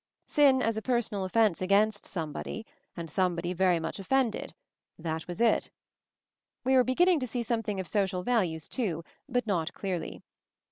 Sin as a personal offence against Somebody, and Somebody very much offend ed; that was it. We were beginning to see something of Social values, too, but not clearly.